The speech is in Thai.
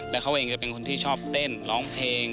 แล้วเขาเองจะเป็นคนที่ชอบเต้นร้องเพลง